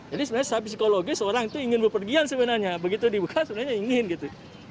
jadi sebenarnya secara psikologis orang itu ingin berpergian sebenarnya begitu dibuka sebenarnya ingin gitu